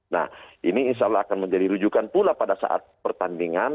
nah ini insya allah akan menjadi rujukan pula pada saat pertandingan